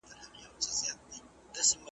نړۍ د زړه یې ګډه وډه کړله